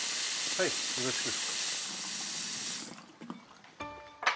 はいよろしく。